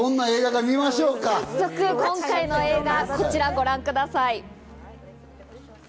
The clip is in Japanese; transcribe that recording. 今回の映画、こちらをご覧ください。